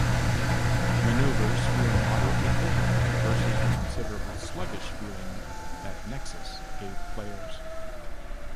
Maneuvers feel moderately quicker versus the considerably sluggish feeling that "Nexus" gave players.